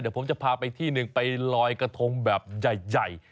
เดี๋ยวผมจะพาไปที่หนึ่งไปลอยกระทงแบบใหญ่